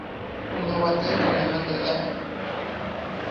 Jume wate into nemak eʼeak.